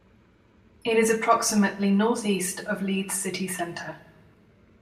It is approximately north east of Leeds city centre.